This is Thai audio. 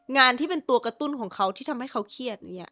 งานที่เป็นตัวกระตุ้นของเขาที่ทำให้เขาเครียดอย่างนี้